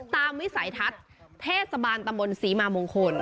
วิสัยทัศน์เทศบาลตำบลศรีมามงคล